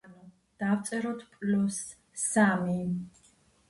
ანუ, დავწეროთ პლუს სამი.